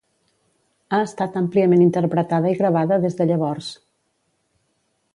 Ha estat àmpliament interpretada i gravada des de llavors.